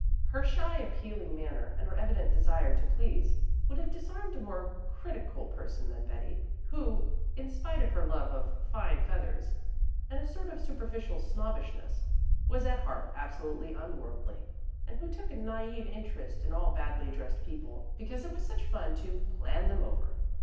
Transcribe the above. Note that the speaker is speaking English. Her shy, appealing manner and her evident desire to please would have disarmed a far more critical person than Betty, who, in spite of her love of "fine feathers" and a sort of superficial snobbishness, was at heart absolutely unworldly, and who took a naive interest in all badly dressed people because it was such fun to "plan them over."